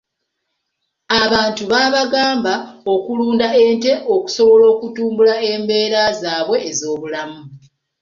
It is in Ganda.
Abantu baabagamba okulunda ente okusobola okutumbula embeera zaabwe ez'obulamu.